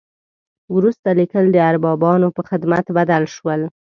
وروسته لیکل د اربابانو په خدمت بدل شول.